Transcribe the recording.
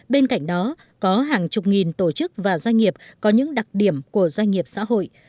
bên cạnh đó có hàng chục nghìn tổ chức và doanh nghiệp có những đặc điểm của doanh nghiệp xã hội